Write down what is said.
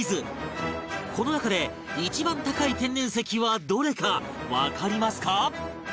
この中で一番高い天然石はどれかわかりますか？